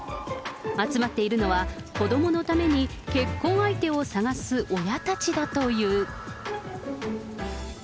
集まっているのは、子どものために結婚相手を探す親たちだという。